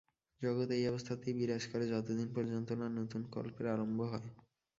জগৎ এই অবস্থাতেই বিরাজ করে, যতদিন পর্যন্ত না নূতন কল্পের আরম্ভ হয়।